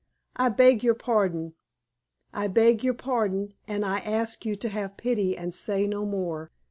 I beg your pardon I beg your pardon, and I ask you to have pity and say no more.